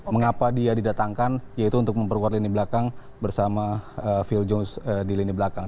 mengapa dia didatangkan yaitu untuk memperkuat lini belakang bersama phil jones di lini belakang